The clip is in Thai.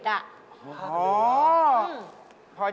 อ๋อพอจะได้กับคนอังกฤษ